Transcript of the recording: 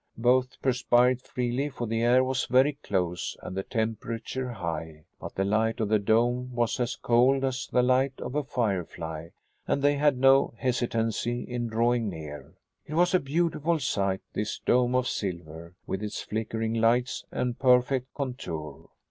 Both perspired freely, for the air was very close and the temperature high. But the light of the dome was as cold as the light of a firefly and they had no hesitancy in drawing near. It was a beautiful sight, this dome of silver with its flickering lights and perfect contour.